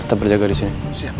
tetap berjaga di sini